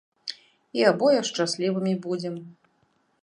І абое шчаслівымі будзем.